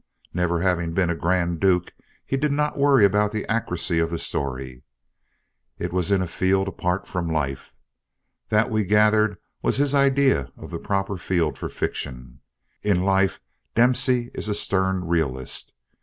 Never having been a grand duke, he did not worry about the accuracy of the story. It was in a field far apart from life. That we gathered was his idea of the proper field for fiction. In life Dempsey is a stern realist.